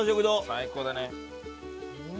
最高だね。